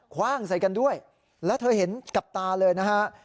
คว่างใส่กันด้วยแล้วเธอเห็นกับตาเลยนะฮะ